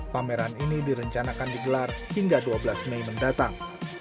pameran ini direncanakan digelar hingga dua belas mei mendatang